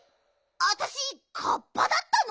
あたしカッパだったの！？